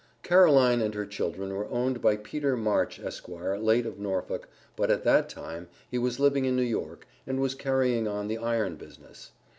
Caroline and her children were owned by Peter March, Esq., late of Norfolk, but at that time, he was living in New York, and was carrying on the iron business.